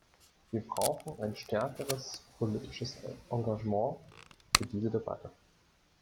Wir brauchen ein stärkeres politisches Engagement für diese Debatte.